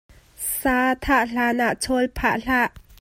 Sa thah hlan ah chawl phah hlah.